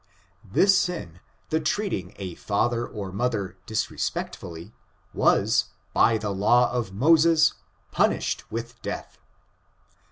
This sin, the treat ing a &ther or mother disrespectfully, was, by the law of Moses, punished with death.